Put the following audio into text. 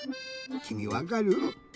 きみわかる？